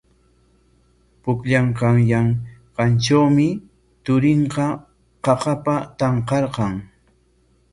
Pukllaykaayanqantrawmi turinta qaqapa tanqarqan.